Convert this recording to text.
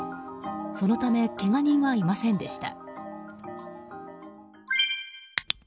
そのためけが人はいませんでした。